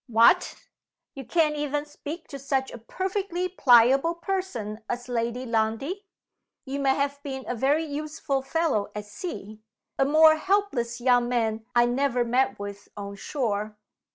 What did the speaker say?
"What! you can't even speak to such a perfectly pliable person as Lady Lundie? You may have been a very useful fellow at sea. A more helpless young man I never met with on shore.